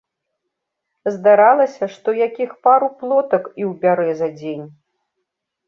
Здаралася, што якіх пару плотак і ўбярэ за дзень.